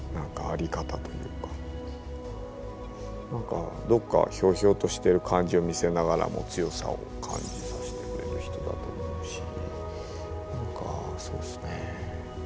何かどっかひょうひょうとしてる感じを見せながらも強さを感じさせてくれる人だと思うしそうですね